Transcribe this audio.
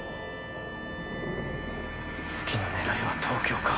次の狙いは東京か。